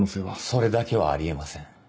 それだけはあり得ません。